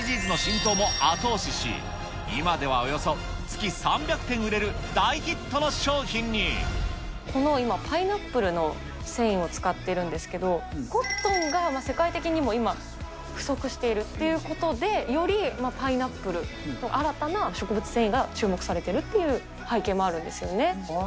世間のＳＤＧｓの浸透も後押しし、今ではおよそ月３００点売れる大この今、パイナップルの繊維を使ってるんですけど、コットンが世界的にも今、不足しているっていうことで、よりパイナップル、新たな植物繊維が注目されてるっていう背景もあるんですよね。